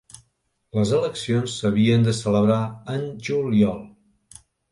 Les eleccions s'havien de celebrar en juliol.